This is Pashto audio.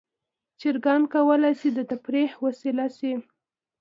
چرګان کولی شي د تفریح وسیله شي.